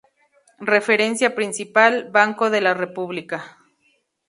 Referencia principal: Banco de la República.